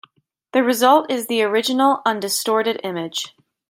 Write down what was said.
The result is the original, undistorted image.